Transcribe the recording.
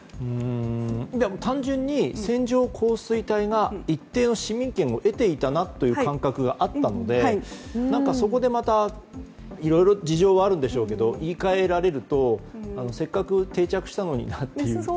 単純に線状降水帯が一定の市民権を得ていたなという感覚があったのでそこでまた、いろいろ事情はあるんでしょうけど言い換えられるとせっかく定着したのになという。